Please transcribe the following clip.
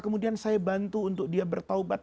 kemudian saya bantu untuk dia bertaubat